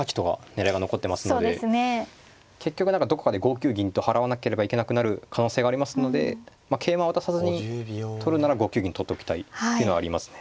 結局どこかで５九銀と払わなければいけなくなる可能性がありますので桂馬渡さずに取るなら５九銀取っておきたいっていうのはありますね。